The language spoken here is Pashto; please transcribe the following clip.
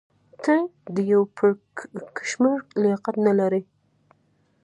ته د یو پړکمشر لیاقت لا نه لرې.